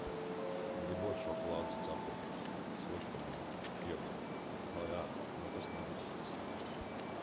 Gribot šokolādes cepumus. Slikta māte – iedevu. Lai ēd, nekas nenotiks.